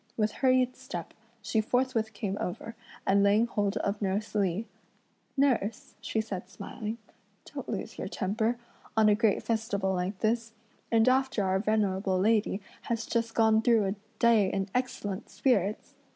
With hurried step, she forthwith came over, and laying hold of nurse Li, "Nurse," she said smiling, "don't lose your temper, on a great festival like this, and after our venerable lady has just gone through a day in excellent spirits!